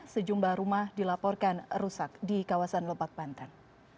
sejumlah rumah dilaporkan rusak di kawasan lebak banten